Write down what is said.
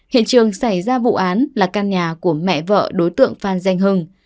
hiện trường xảy ra vụ án là căn nhà của mẹ vợ đối tượng phan danh hưng